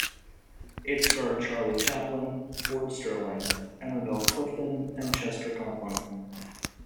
It starred Charlie Chaplin, Ford Sterling, Emma Bell Clifton, and Chester Conklin.